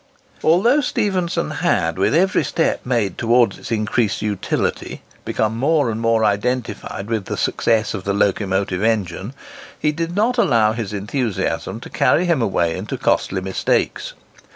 Although Stephenson had, with every step made towards its increased utility, become more and more identified with the success of the locomotive engine, he did not allow his enthusiasm to carry him away into costly mistakes.